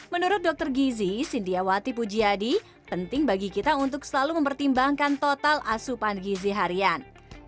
menurut dokter gizi sindiawati pujiadi penting bagi kita untuk selalu mempertimbangkan total asupan gizi harian